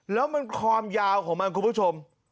แล้วมันความยาวของมันคุณผู้ชม